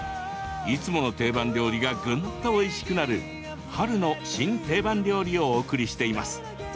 いつもの定番料理がぐんとおいしくなる春の新定番料理をお送りしています。